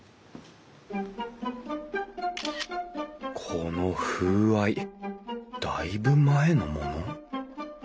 この風合いだいぶ前のもの？